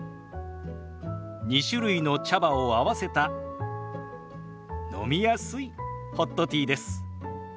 ２種類の茶葉を合わせた飲みやすいホットティーです。